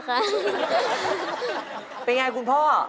เป็นไงคุณพ่อ